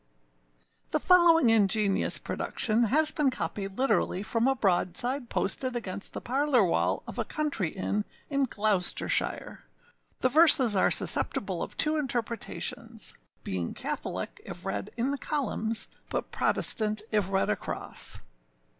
[THE following ingenious production has been copied literally from a broadside posted against the âparlourâ wall of a country inn in Gloucestershire. The verses are susceptible of two interpretations, being Catholic if read in the columns, but Protestant if read across.